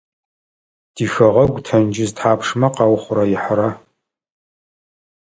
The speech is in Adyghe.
Тихэгъэгу тенджыз тхьапшмэ къаухъурэихьэра?